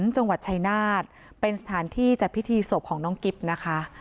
จังหวัดชายนาฏเป็นสถานที่จัดพิธีศพของน้องกิ๊บนะคะ